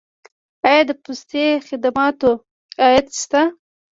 آیا د پستي خدماتو عاید شته؟